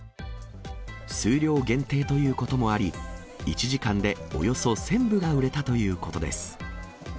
数量限定ということもあり、１時間でおよそ１０００部が売れたということです。